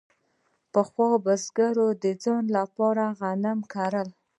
پخوا بزګرانو د ځان لپاره غنم کرل.